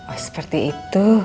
oh seperti itu